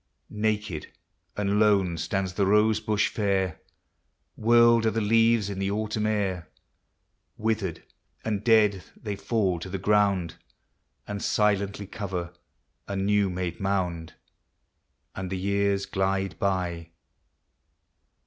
Naked and lone stands the rose bush fair, Whirled are the leaves in the autumn air, Withered and dead they fall to the ground, And silently cover a new made mound. And the years glide by.